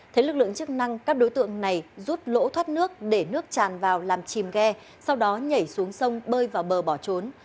thấy lực lượng chức năng các đối tượng này rút lỗ thoát nước để nước tràn vào làm chìm ghe sau đó nhảy xuống sông bơi vào bờ bỏ trốn